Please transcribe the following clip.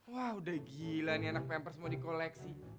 wah udah gila nih anak pampers mau di koleksi